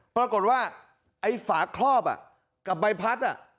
ปรากฏว่าไอ้ฝากคลอบอ่ะกับใบพัดอ่ะ